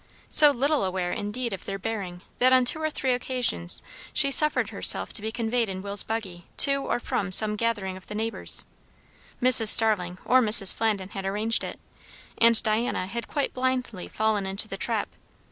So little aware, indeed, of their bearing, that on two or three occasions she suffered herself to be conveyed in Will's buggy to or from some gathering of the neighbours; Mrs. Starling or Mrs. Flandin had arranged it, and Diana had quite blindly fallen into the trap.